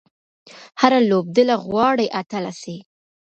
هره لوبډله غواړي اتله سي.